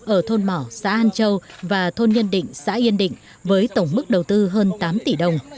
ở thôn mỏ xã an châu và thôn nhân định xã yên định với tổng mức đầu tư hơn tám tỷ đồng